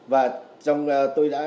và trong đó tôi đã